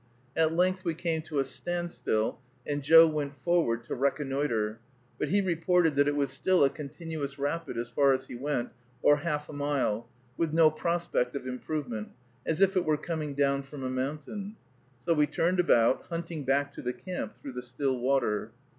At length we came to a standstill, and Joe went forward to reconnoitre; but he reported that it was still a continuous rapid as far as he went, or half a mile, with no prospect of improvement, as if it were coming down from a mountain. So we turned about, hunting back to the camp through the still water.